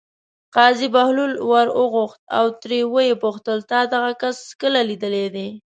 قاضي بهلول ور وغوښت او ترې ویې پوښتل: تا دغه کس کله لیدلی دی.